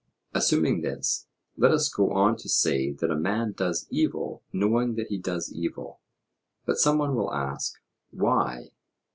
Assuming this, let us go on to say that a man does evil knowing that he does evil. But some one will ask, Why?